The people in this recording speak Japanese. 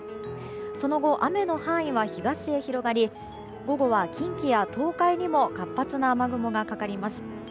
その後、雨の範囲は東へ広がり午後は近畿や東海にも活発な雨雲がかかります。